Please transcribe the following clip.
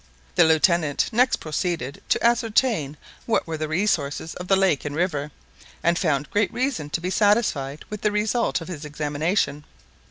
The Lieutenant next proceeded to ascertain what were the resources of the lake and river, and found great reason to be satisfied with the result of his examination.